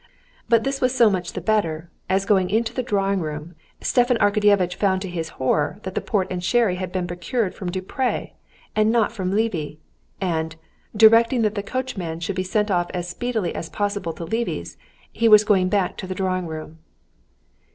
But this was so much the better, as going into the dining room, Stepan Arkadyevitch found to his horror that the port and sherry had been procured from Depré, and not from Levy, and, directing that the coachman should be sent off as speedily as possible to Levy's, he was going back to the drawing room.